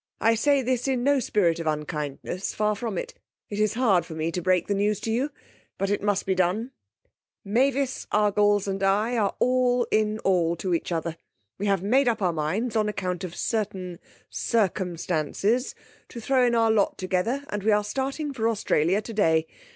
I say this in no spirit of unkindness; far from it. It is hard to me to break the news to you, but it must be done. 'Mavis Argles and I are all in all to each other. We have made up our minds on account of certain circumstances to throw in our lot together, and we are starting for Australia today.